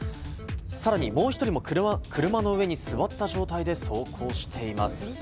さらにもう１人も車の上に座った状態で走行しています。